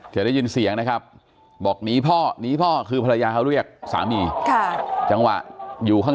จะได้ยินเสียงนะครับบอกหนีพ่อหนีพ่อคือภรรยาเขาเรียกสามีจังหวะอยู่ข้าง